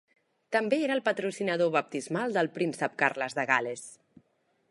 També era el patrocinador baptismal del príncep Carles de Gal·les.